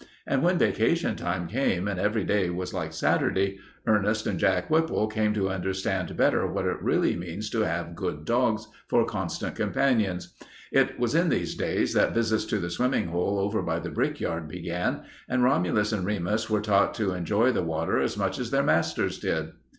And when vacation time came and every day was like Saturday, Ernest and Jack Whipple came to understand better what it really means to have good dogs for constant companions. It was in these days that visits to the swimming hole over by the brickyard began, and Romulus and Remus were taught to enjoy the water as much as their masters did.